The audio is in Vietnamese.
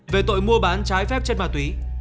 về tội mua bán trái phép chất ma túy